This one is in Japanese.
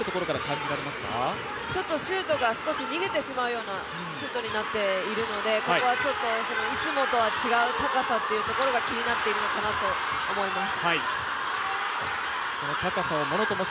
少し逃げてしまうようなシュートになっているのでここはちょっといつもとは違う高さというところが気になっているのかなと思います。